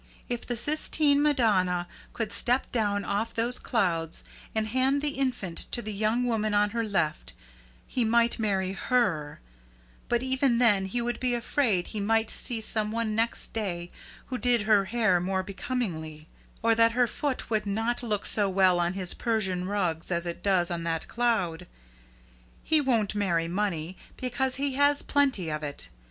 If the Sistine Madonna could step down off those clouds and hand the infant to the young woman on her left, he might marry HER; but even then he would be afraid he might see some one next day who did her hair more becomingly, or that her foot would not look so well on his Persian rugs as it does on that cloud. He won't marry money, because he has plenty of it.